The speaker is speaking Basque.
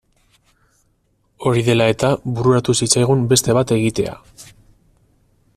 Hori dela eta bururatu zitzaigun beste bat egitea.